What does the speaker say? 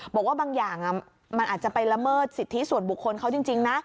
บอกว่าบางอย่างมันอาจจะไปละเมิดสิทธิส่วนบุคคลเขาจริงนะ